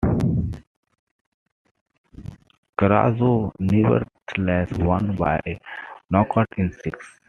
Carazo nevertheless won by a knockout in six.